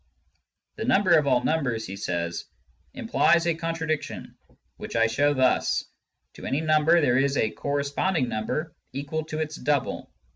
"The number of all numbers," he says, "implies a contradiction, which I show thus : To any number there is a corresponding number equal to its double.